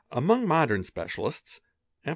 Among modern specialists, F.